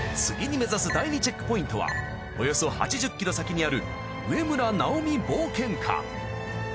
次に目指す第２チェックポイントはおよそ８０ｋｍ先にある植村直己冒険館。